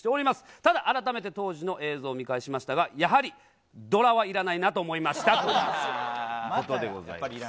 ただ、改めて当時の映像を見返しましたが、やはりドラはいらないなと思いましたということでございます。